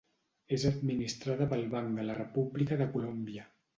És administrada pel Banc de la República de Colòmbia.